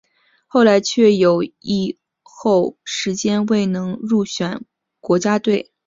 后来却有一后时间未能入选国家队。